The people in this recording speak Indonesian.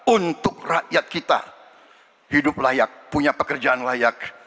untuk rakyat kita hidup layak punya pekerjaan layak